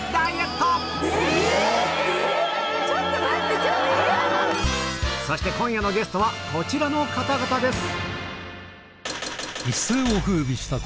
でそして今夜のゲストはこちらの方々です